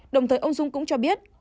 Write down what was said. đồng thời ông dung cũng cho biết